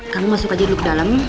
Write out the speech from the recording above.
kamu masuk aja dulu ke dalam